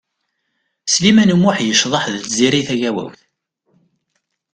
Sliman U Muḥ yecḍeḥ d Tiziri Tagawawt.